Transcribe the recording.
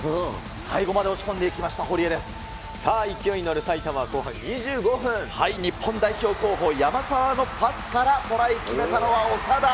最後まで押し込んでいきました、さあ、勢いに乗る埼玉、日本代表候補、山沢のパスから、トライ決めたのは長田。